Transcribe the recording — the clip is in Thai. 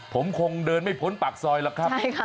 ผมคงเดินไม่พ้นปากซอยหรอกครับ